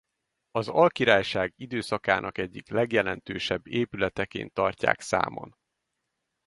Az alkirályság időszakának egyik legjelentősebb épületeként tartják számon.